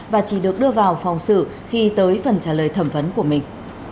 và chỉ được đưa vào phòng xử khi tới phần trả lời thẩm vấn của mình